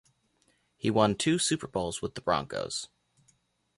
He won two Super Bowls with the Broncos.